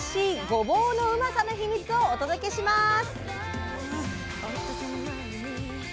ごぼうのうまさの秘密をお届けします！